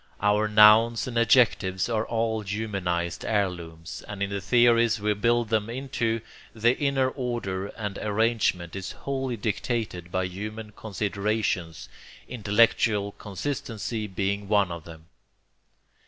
Our nouns and adjectives are all humanized heirlooms, and in the theories we build them into, the inner order and arrangement is wholly dictated by human considerations, intellectual consistency being one of them.